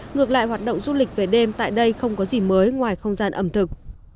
ngược lại hoạt động du lịch về đêm tại đây không có gì mới ngoài không gian ẩm thực